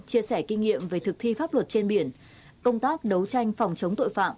chia sẻ kinh nghiệm về thực thi pháp luật trên biển công tác đấu tranh phòng chống tội phạm